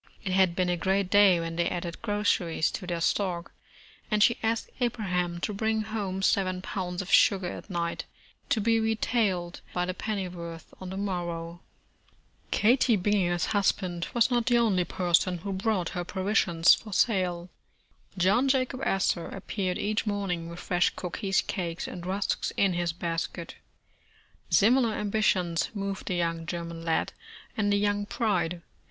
It had been a great day when they added groceries to their stock, and she asked Abraham to bring home seven pounds of sugar at night, to be retailed by the pennyworth on the mor row. Katie Bininger's husband was not the only person who brought her provisions for sale. John Jacob Astor appeared each morning with fresh cookies, cakes and rusks in his basket. Similar ambitions moved the young German lad and the young bride.